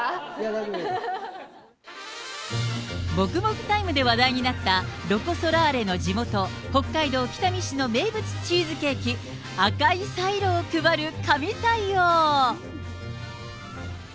もぐもぐタイムで話題になった、ロコ・ソラーレの地元、北海道北見市の名物チーズケーキ、赤いサイロを配る神対応。